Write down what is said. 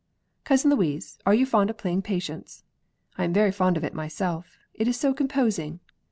Cousin Louise, are you fond of playing Patience? I am very fond of it myself; it is so composing.